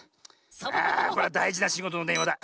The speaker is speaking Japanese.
あこれはだいじなしごとのでんわだ。